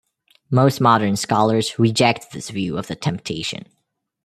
Most modern scholars reject this view of the temptation.